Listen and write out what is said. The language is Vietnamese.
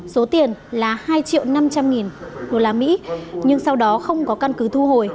số tiền là hai triệu năm trăm linh nghìn usd nhưng sau đó không có căn cứ thu hồi